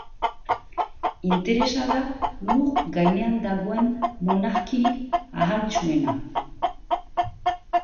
Interesa da Lur gainean dagoen monarkirik ahaltsuena.